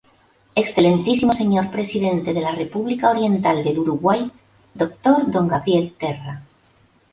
Excelentísimo señor presidente de la República Oriental del Uruguay, doctor don Gabriel Terra.